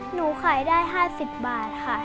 หนูขายได้๕๐บาทค่ะ